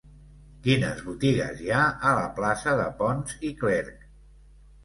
Quines botigues hi ha a la plaça de Pons i Clerch?